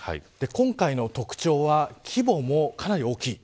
今回の特徴は規模もかなり大きい。